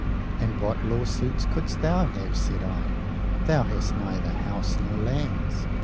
And what lawsuits couldst thou have? said I; thou hast neither house nor lands.